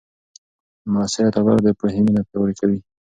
مؤثره تګلاره د پوهې مینه پیاوړې کوي.